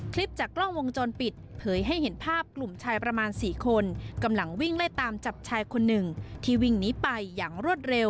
คลิปจากกล้องวงจรปิดเผยให้เห็นภาพกลุ่มชายประมาณ๔คนกำลังวิ่งไล่ตามจับชายคนหนึ่งที่วิ่งหนีไปอย่างรวดเร็ว